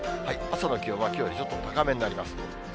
朝の気温はきょうよりちょっと高めになります。